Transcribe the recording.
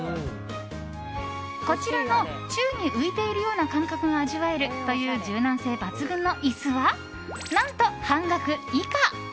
こちらの宙に浮いているような感覚が味わえるという柔軟性抜群の椅子は何と半額以下！